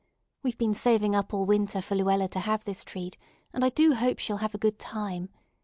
We've been saving up all winter for Luella to have this treat, and I do hope she'll have a good time.